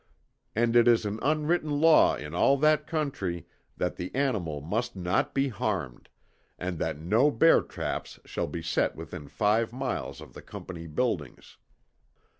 And it is an unwritten law in all that country that the animal must not be harmed, and that no bear traps shall be set within five miles of the Company buildings.